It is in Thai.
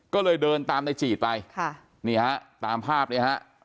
ก็เลยเดินตามในจีดไปค่ะนี่ฮะตามภาพเนี่ยฮะ